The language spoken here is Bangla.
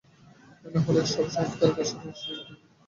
তা না হলে এ-সব সংস্কার আকাশকুসুমই থেকে যায়।